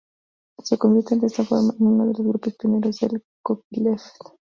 Se convierten de esta forma en uno de los grupos pioneros del Copyleft.